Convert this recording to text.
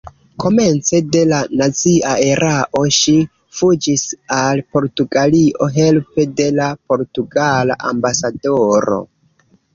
Komence de la nazia erao ŝi fuĝis al Portugalio helpe de la portugala ambasadoro.